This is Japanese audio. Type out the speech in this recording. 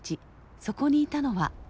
そこにいたのは。